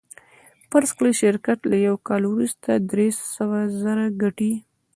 فرض کړئ شرکت له یوه کال وروسته درې سوه زره ګټي